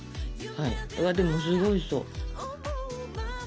うわっでもすごいおいしそう。